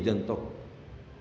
không cho các thân vật